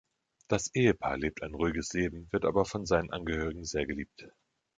Das Ehepaar lebt ein "ruhiges Leben", wird aber von seinen Angehörigen sehr geliebt.